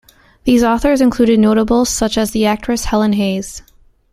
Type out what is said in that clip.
These authors included notables such as the actress Helen Hayes.